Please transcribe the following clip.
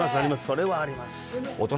それはあります